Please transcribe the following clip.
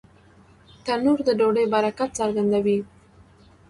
تنور د ډوډۍ برکت څرګندوي